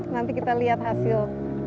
nanti kita lihat hasil